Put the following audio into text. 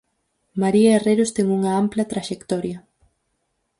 María Herreros ten unha ampla traxectoria.